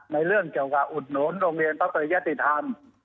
ในเรื่องเกี่ยวกับอุดหนุนโรงเรียนพระปริยติธรรม